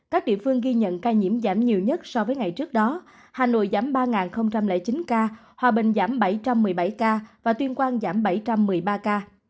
các địa phương ghi nhận ca nhiễm giảm nhiều nhất so với ngày trước đó hà nội giảm ba chín ca hòa bình giảm bảy trăm một mươi bảy ca và tuyên quang giảm bảy trăm một mươi ba ca